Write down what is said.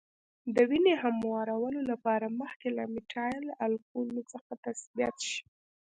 د وینې هموارولو لپاره مخکې له میتایل الکولو څخه تثبیت شي.